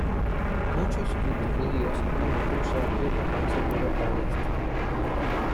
Muchos criptojudíos viven en Rusia y otros países de Europa del Este.